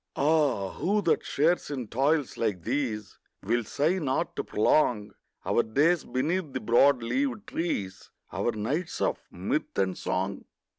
Ah, who that shares in toils like these Will sigh not to prolong Our days beneath the broad leaved trees, Our nights of mirth and song?